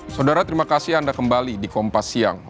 saudara terima kasih anda kembali di kompas siang